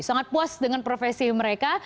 sangat puas dengan profesi mereka